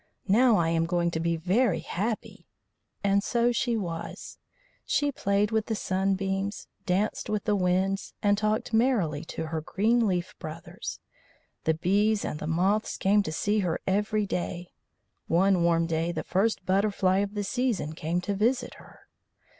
"Now I am going to be very happy." And so she was. She played with the sunbeams, danced with the winds, and talked merrily to her green leaf brothers. The bees and the moths came to see her every day; one warm day the first butterfly of the season came to visit her.